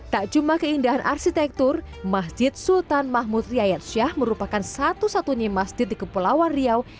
tak cuma keindahan arsitektur masjid sultan mahmud riyad syah merupakan satu satunya masjid di kepulauan riau